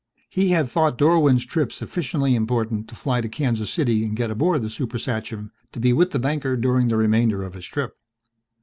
He had thought Dorwin's trip sufficiently important to fly to Kansas City and get aboard the Super Sachem to be with the banker during the remainder of his trip.